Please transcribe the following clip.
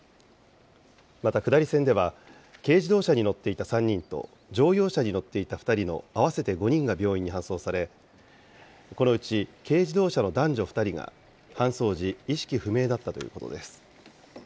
また下り線では、軽自動車に乗っていた３人と乗用車に乗っていた２人の合わせて５人が病院に搬送され、このうち、軽自動車の男女２人が、搬送時、意識不明だったということです。